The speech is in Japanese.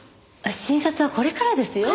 診察はこれからですよ。